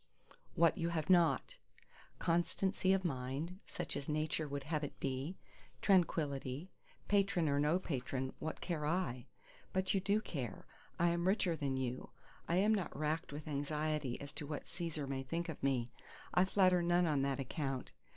What you have not: Constancy of mind, such as Nature would have it be: Tranquillity. Patron or no patron, what care I? but you do care. I am richer than you: I am not racked with anxiety as to what Cæsar may think of me; I flatter none on that account.